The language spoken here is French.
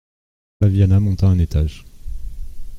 Flaviana monta un étage.